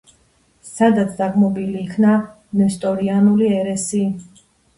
სადაც დაგმობილი იქნა ნესტორიანული ერესი.